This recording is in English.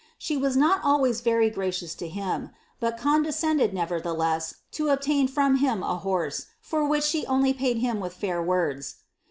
She was not ys very gracious to him ; but condescended, nevertheless, to obtain I him a horse, for which she only paid him with fair words.